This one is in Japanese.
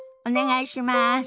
お願いします。